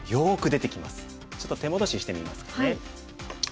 ちょっと手戻ししてみますかね。